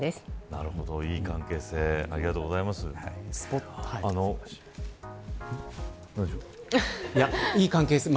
なるほど、いい関係性ですね。